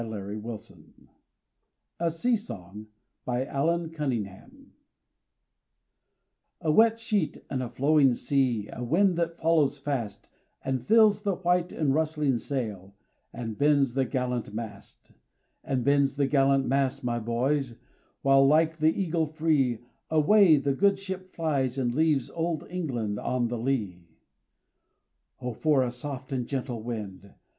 Author Unknown [71 RAINBOW GOLD A SEA SONG A WET sheet and a flowing sea, A wind that follows fast, And fills the white and rustling sail, And bends the gallant mast; And bends the gallant mast, my boys, While, like the eagle free, Away the good ship flies, and leaves Old England on the lee. O for a soft and gentle wind!